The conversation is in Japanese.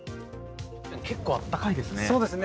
結構あったかいんですね。